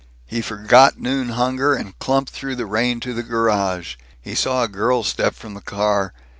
He forgot noon hunger, and clumped through the rain to the garage. He saw a girl step from the car.